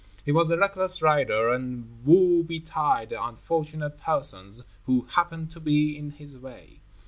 He was a reckless rider, and woe betide the unfortunate persons who happened to be in his way.